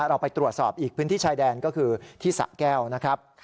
เราไปตรวจสอบอีกพื้นที่ชายแดนก็คือที่สะแก้วนะครับ